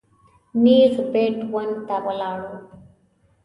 نېغ بېټ ون ته ولاړو.